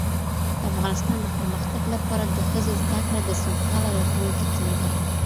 د افغانستان د پرمختګ لپاره د ښځو زدهکړه د سوکاله راتلونکي کیلي ده.